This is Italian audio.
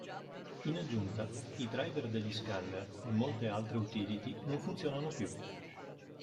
In aggiunta, i driver degli scanner e molte altre utility non funzionano più.